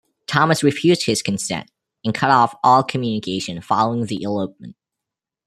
Thomas refused his consent, and cut off all communication following the elopement.